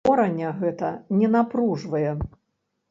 Кораня гэта не напружвае.